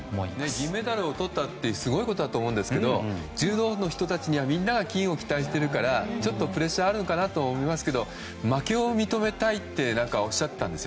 銀メダルをとったってすごいことだと思いますけど柔道の人たちはみんなが金を期待しているからプレッシャーあるかなと思いますが負けを認めたいとおっしゃったんです